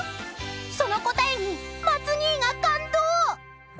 その答えに松兄が感動！］